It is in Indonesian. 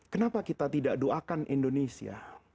kenapa kita tidak doakan indonesia